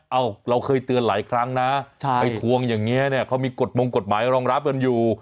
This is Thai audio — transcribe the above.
เราเคยเตือนหลายครั้งนะไปทวงอย่างนี้เนี่ยเขามีกฎมงกฎหมายรองรับกันอยู่